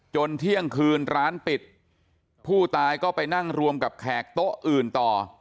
เที่ยงคืนร้านปิดผู้ตายก็ไปนั่งรวมกับแขกโต๊ะอื่นต่อ